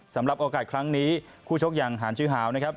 สำหรับโอกาสครั้งนี้คู่ชกอย่างหานจือหาวนะครับ